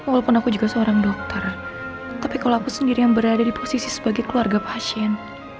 walaupun aku juga seorang dokter tapi kalau aku sendiri yang berada di posisi sebagai keluarga pasien